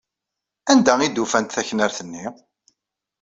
Anda ay d-ufant taknart-nni?